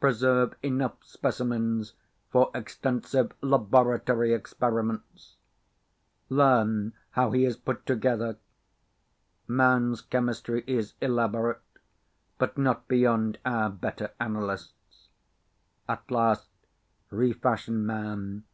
Preserve enough specimens for extensive laboratory experiments. Learn how he is put together. Man's chemistry is elaborate but not beyond our better Analysts. At last, refashion man.